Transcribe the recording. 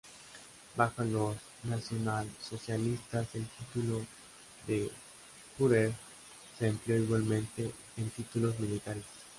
Bajo los nacionalsocialistas el título de "Führer" se empleó igualmente en títulos militares.